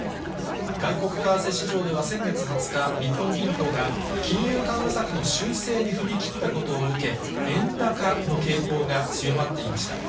外国為替市場では先月２０日、日本銀行が金融緩和策の修正に踏み切ったことを受け、円高の傾向が強まっていました。